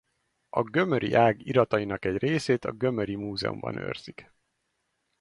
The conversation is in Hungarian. A gömöri ág iratainak egy részét a gömöri múzeumban őrzik.